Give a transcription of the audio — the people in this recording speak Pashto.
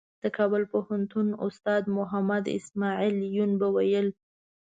د کابل پوهنتون استاد محمد اسمعیل یون به ویل.